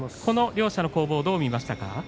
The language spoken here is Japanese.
この両者の攻防どう見ましたか。